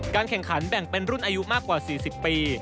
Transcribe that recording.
แข่งขันแบ่งเป็นรุ่นอายุมากกว่า๔๐ปี